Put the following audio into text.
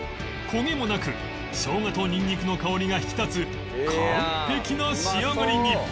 焦げもなく生姜とニンニクの香りが引き立つ完璧な仕上がりに